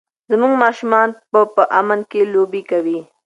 زموږ ماشومان به په امن کې لوبې کوي.